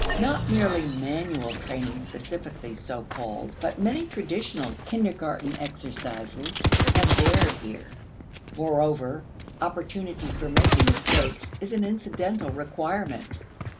Not merely manual training specifically so called but many traditional kindergarten exercises have erred here. Moreover, opportunity for making mistakes is an incidental requirement.